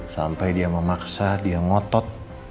sampai dia memaksa dia ngotot